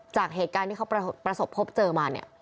จากเหตุการณ์ที่เขาประสบพบเจอมาเนี่ย